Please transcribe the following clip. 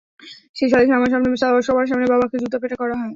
সেই সালিসে আমার সামনে, সবার সামনে বাবাকে জুতা পেটা করা হয়।